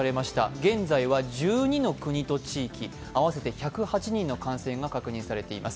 現在は１２の国と地域合わせて１０８人の感染が確認されています。